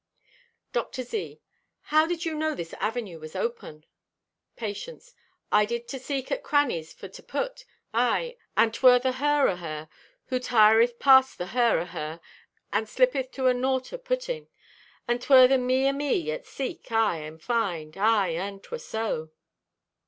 Dr. Z.—"How did you know this avenue was open?" Patience.—"I did to seek at crannies for to put; aye, and 'twer the her o' her who tireth past the her o' her, and slippeth to a naught o' putting; and 'twer the me o' me at seek, aye, and find. Aye, and 'twer so."